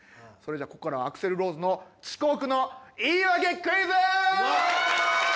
ここからはアクセル・ローズの遅刻の言い訳クイズ！